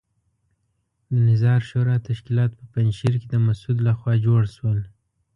د نظار شورا تشکیلات په پنجشیر کې د مسعود لخوا جوړ شول.